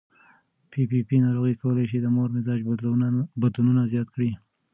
پي پي پي ناروغي کولی شي د مور مزاج بدلونونه زیات کړي.